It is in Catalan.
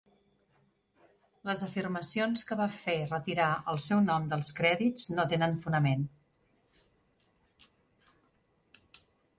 Les afirmacions que va fer retirar el seu nom dels crèdits no tenen fonament.